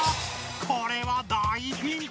これは大ピンチ！